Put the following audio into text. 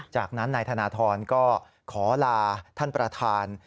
จากนั้นนายธนทรก็ขอลาท่านประธาน